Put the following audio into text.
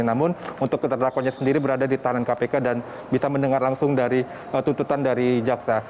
namun untuk terdakwanya sendiri berada di tahanan kpk dan bisa mendengar langsung dari tututan dari jaksa